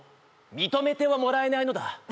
「認めてはもらえないのだ」